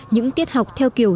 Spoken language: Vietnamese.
những tiết học theo kiểu